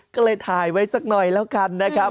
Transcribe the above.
ก็เลยถ่ายไว้สักหน่อยแล้วกันนะครับ